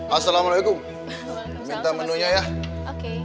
assalamualaikum minta menunya ya